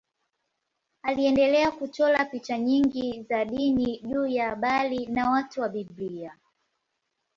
Aliendelea kuchora picha nyingi za dini juu ya habari na watu wa Biblia.